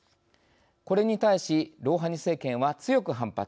これに対しロウハニ政権は強く反発。